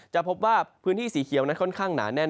จะพบว่าพื้นที่สีเขียวนั้นค่อนข้างหนาแน่น